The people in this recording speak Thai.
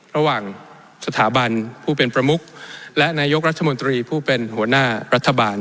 ระหว่างสถาบันผู้เป็นประมุกและนายกรัฐมนตรีผู้เป็นหัวหน้ารัฐบาล